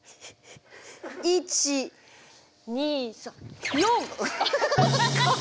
１２３４。